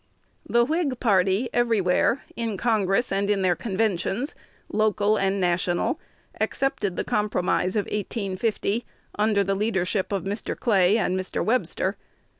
The Whig party everywhere, in Congress and in their conventions, local and national, accepted the compromise of 1850 under the leadership of Mr. Clay and Mr. Webster.